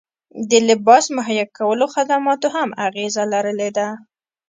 د لباس مهیا کولو خدماتو هم اغیزه لرلې ده